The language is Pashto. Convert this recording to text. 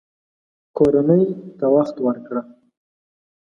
کورنۍ ته وخت ورکړه